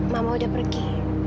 mama udah pergi